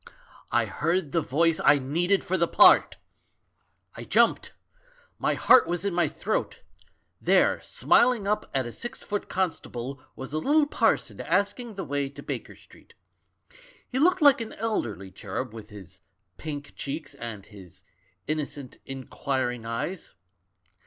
I heard the voice I needed for the part I "I jumped. My heart was in my throat. There, smiling up at a six foot constable, was a little parson asking the way to Baker Street. He looked like an elderly cherub, with his pink cheeks, and his innocent, inquiring eyes.